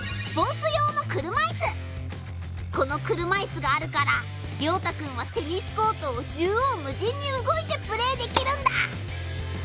この車いすがあるから凌大くんはテニスコートを縦横無尽に動いてプレーできるんだ。